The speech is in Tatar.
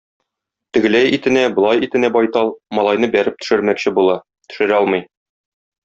Тегеләй итенә, болай итенә байтал, малайны бәреп төшермәкче була - төшерә алмый.